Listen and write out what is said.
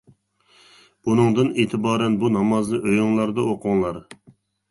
بۇنىڭدىن ئېتىبارەن بۇ نامازنى ئۆيۈڭلاردا ئوقۇڭلار.